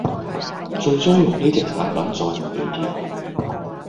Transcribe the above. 最終用呢隻產品再用鼻貼